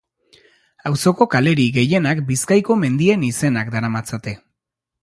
Auzoko kalerik gehienak Bizkaiko mendien izenak daramatzate.